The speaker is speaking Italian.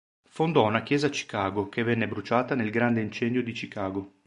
Fondò una chiesa a Chicago che venne bruciata nel Grande incendio di Chicago.